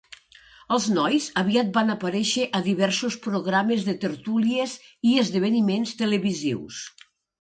Els nois aviat van aparèixer a diversos programes de tertúlies i esdeveniments televisius.